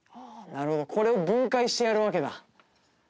なるほどこれを分解してやるわけだ